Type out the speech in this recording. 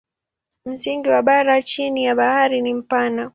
Msingi wa bara chini ya bahari ni mpana.